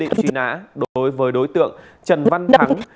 đã ra quy định truy nã đối với đối tượng trần văn thắng